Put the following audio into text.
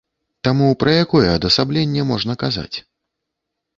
Таму пра якое адасабленне можна казаць?